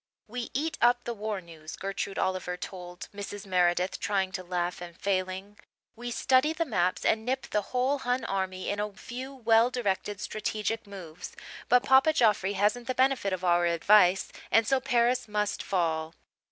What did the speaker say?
"We eat up the war news," Gertrude Oliver told Mrs. Meredith, trying to laugh and failing. "We study the maps and nip the whole Hun army in a few well directed strategic moves. But Papa Joffre hasn't the benefit of our advice and so Paris must fall."